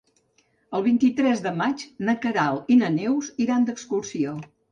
El vint-i-tres de maig na Queralt i na Neus iran d'excursió.